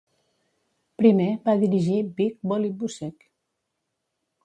Primer va dirigir Big Bully Busick.